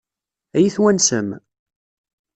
Ad iyi-twansem?